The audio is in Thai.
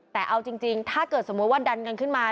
แต่เอาจริงถ้าเกิดสมมุติว่าดันกันขึ้นมา